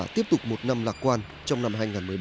trong năm hai nghìn một mươi bảy